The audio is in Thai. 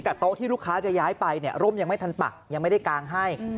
โต๊ะที่ลูกค้าจะย้ายไปเนี่ยร่มยังไม่ทันปักยังไม่ได้กางให้